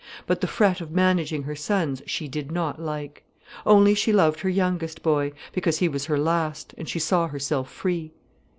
But the fret of managing her sons she did not like. Only she loved her youngest boy, because he was her last, and she saw herself free.